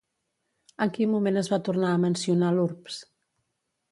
En quin moment es va tornar a mencionar l'urbs?